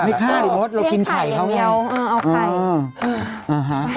ไม่ฆ่าสิมดเรากินไข่เขาแน่นเอาไข่